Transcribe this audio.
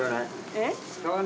えっ？